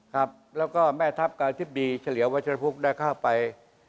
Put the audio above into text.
แล้วก็แม่ทัพกับอธิบดีเฉลี่ยวัชยภุกษ์ได้เข้าไป